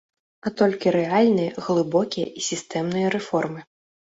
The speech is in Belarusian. А толькі рэальныя, глыбокія і сістэмныя рэформы.